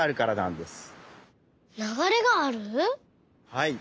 はい。